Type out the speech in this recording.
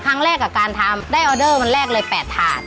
ครั้งแรกกับการทำได้ออเดอร์วันแรกเลย๘ถาด